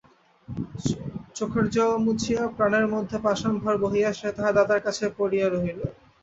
চোখের জল মুছিয়া প্রাণের মধ্যে পাষাণভার বহিয়া সে তাহার দাদার কাছে পড়িয়া রহিল।